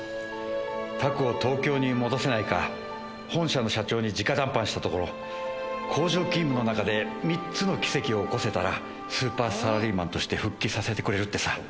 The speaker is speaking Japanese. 拓を東京に戻せないか、本社の社長にじか談判したところ、工場勤務の中で３つの奇跡を起こせたら、スーパーサラリーマンとして復帰させてくれるってさ。